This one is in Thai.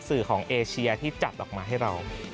สื่อของเอเชียที่จัดออกมาให้เรา